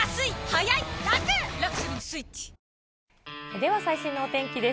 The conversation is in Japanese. では、最新のお天気です。